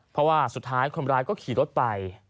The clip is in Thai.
เพราะว่าสุดท้ายคนร้ายก็ขี่รถไป